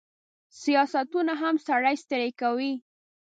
سیاستونه هم سړی ستړی کوي.